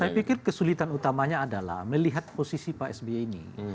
saya pikir kesulitan utamanya adalah melihat posisi pak sby ini